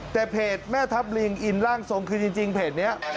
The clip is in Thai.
แต่เพจแม่ทัพลิงอินร่างทรงคือจริงเพจนี้